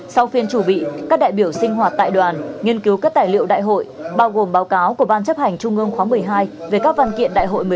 sau phiên chủ bị các đại biểu sinh hoạt tại đoàn nghiên cứu các tài liệu đại hội bao gồm báo cáo của ban chấp hành trung ương khóa một mươi hai về các văn kiện đại hội một mươi ba